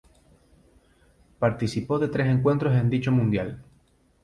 Participó de tres encuentros en dicho mundial.